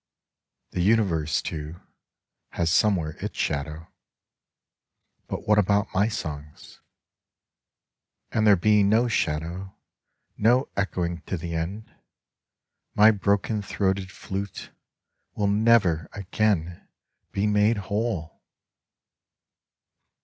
The Universe, too, has somewhere its shadow ;— but what about my songs ? An there be no shadow, no echoing to the end, — my broken throated flute will never again be made whole